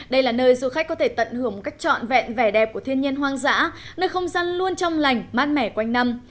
đây là nơi du khách có thể tận hưởng một cách trọn vẹn vẻ đẹp của thiên nhiên hoang dã nơi không gian luôn trong lành mát mẻ quanh năm